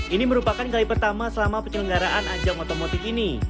ini merupakan kali pertama selama penyelenggaraan ajang otomotif ini